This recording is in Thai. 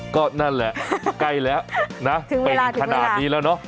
ก็นั่นแหละใกล้แล้วนะถึงเวลาถึงเวลาถึงขนาดนี้แล้วเนอะ